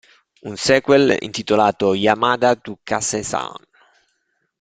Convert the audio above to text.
Un sequel, intitolato "Yamada to Kase-san.